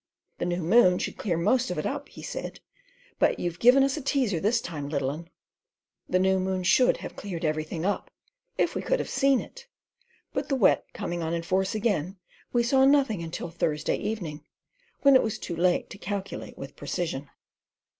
"The new moon should clear most of it up," he said; "but you've given us a teaser this time, little 'un." The new moon should have cleared everything up if we could have seen it, but the Wet coming on in force again, we saw nothing till Thursday evening, when it was too late to calculate with precision.